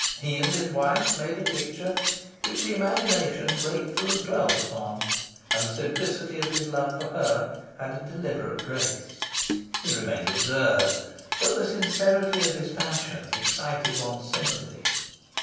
He and his wife made a picture which the imagination gratefully dwelt upon, and the simplicity of his love for her had a deliberate grace. He remained absurd, but the sincerity of his passion excited one's sympathy.